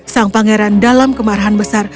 sang pangeran dalam kemarahan besar